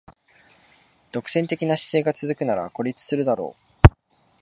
独占的な姿勢が続くなら孤立するだろう